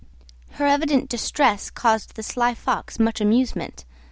Her evident distress caused the sly Fox much amusement.